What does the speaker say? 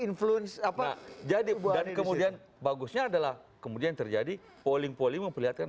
influence apa jadi dan kemudian bagusnya adalah kemudian terjadi polling polling memperlihatkan